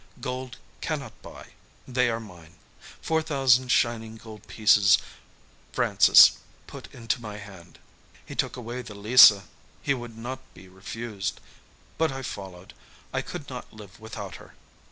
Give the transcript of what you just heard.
Gold cannot buy.... They are mine.... Four thousand shining gold pieces Francis put into my hand. He took away the Lisa. He would not be refused. But I followed. I could not live without her.